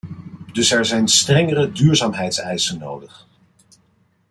Dus zijn er strenge duurzaamheidseisen nodig.